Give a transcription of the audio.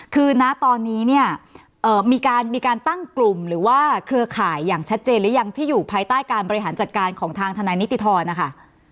คือนะตอนนี้เนี่ยมีการตั้งกลุ่มหรือว่าเครือข่ายอย่างชัดเจนหรือยังที่อยู่ภายใต้การบริหารจัดการของทางทนายนิติธรนะคะ